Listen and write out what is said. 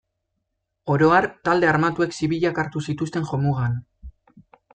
Oro har, talde armatuek zibilak hartu zituzten jomugan.